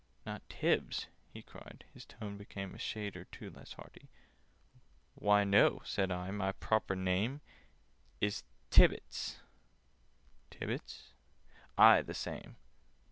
"Not Tibbs!" he cried—his tone became A shade or two less hearty— "Why, no," said I. "My proper name Is Tibbets—" "Tibbets?" "Aye, the same."